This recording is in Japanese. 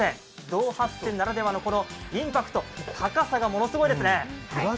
銅八銭ならではのインパクト高さがものすごいですね。